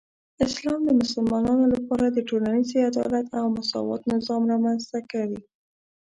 اسلام د مسلمانانو لپاره د ټولنیزې عدالت او مساوات نظام رامنځته کوي.